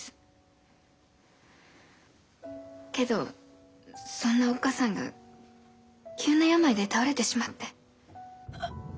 けどそんなおっ母さんが急な病で倒れてしまって。